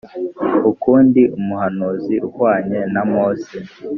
Ukundi umuhanuzi uhwanye na mose